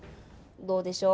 どうでしょう？